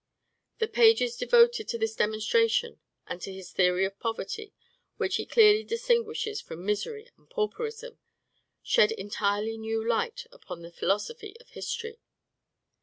The pages devoted to this demonstration and to his theory of poverty, which he clearly distinguishes from misery and pauperism, shed entirely new light upon the philosophy of history.